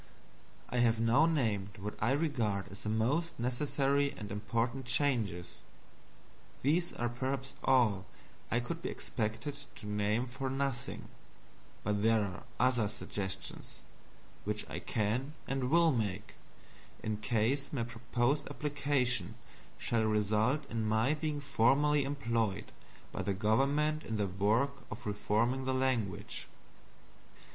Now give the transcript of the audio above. I have now named what I regard as the most necessary and important changes. These are perhaps all I could be expected to name for nothing; but there are other suggestions which I can and will make in case my proposed application shall result in my being formally employed by the government in the work of reforming the language.